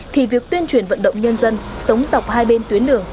thì việc tuyên truyền vận động nhân dân sống dọc hai bên tuyến đường